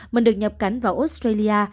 mình được nhập cảnh vào australia